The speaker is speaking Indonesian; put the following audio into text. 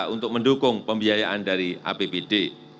untuk mendukung pembiayaan dari apbd